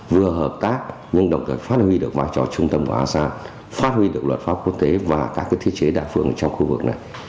vừa hợp tác nhưng đồng thời phát huy được vai trò trung tâm của asean phát huy được luật pháp quốc tế và các thiết chế đa phương trong khu vực này